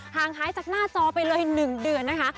งหายจากหน้าจอไปเลย๑เดือนนะคะ